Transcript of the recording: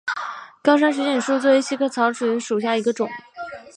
高山水锦树为茜草科水锦树属下的一个种。